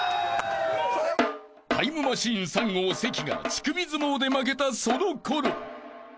［タイムマシーン３号関が乳首相撲で負けたその頃］